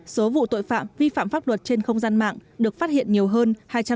số vụ tội phạm vi phạm pháp luật trên không gian mạng được phát hiện nhiều hơn hai trăm linh ba sáu mươi một